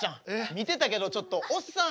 見てたけどちょっとおっさん